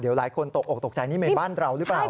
เดี๋ยวหลายคนตกออกตกใจนี่ในบ้านเราหรือเปล่า